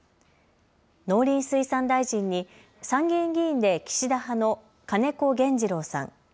農林水産大臣に参議院議員で岸田派の金子原二郎さん。